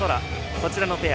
こちらのペア。